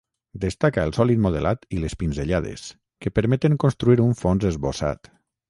Destaca el sòlid modelat i les pinzellades, que permeten construir un fons esbossat.